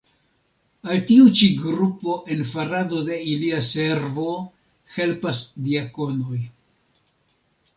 Al tiu ĉi grupo en farado de ilia servo helpas diakonoj.